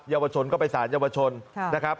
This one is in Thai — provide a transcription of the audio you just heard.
เยาวชนก็ไปสารเยาวชนนะครับ